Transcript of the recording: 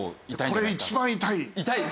これ一番痛い！